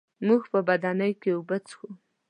موږ په بدنۍ کي اوبه څښو.